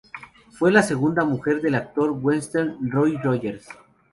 Fue la segunda mujer del actor de western Roy Rogers.